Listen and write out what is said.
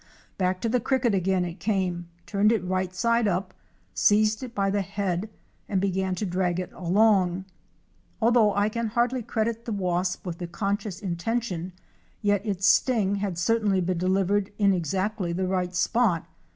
Back to the cricket again it came, turned it right side up, seized it by the head and began to drag it along. Although I can hardly credit the wasp with the conscious intention, yet its sting had certainly been delivered in exactly the right spot.